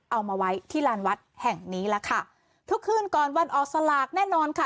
เอามาไว้ที่ลานวัดแห่งนี้แหละค่ะทุกคืนก่อนวันออกสลากแน่นอนค่ะ